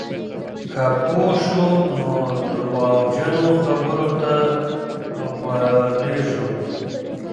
که پوه شو، نو درواغجنو خبرو ته غولېږو.